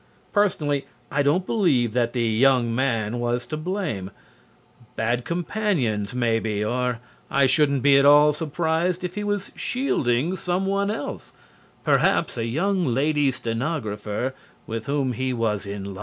Personally, I don't believe that the "young man" was to blame. Bad companions, maybe, or I shouldn't be at all surprised if he was shielding someone else, perhaps a young lady stenographer with whom he was in love.